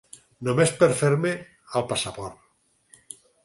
Només per fer-me el passaport.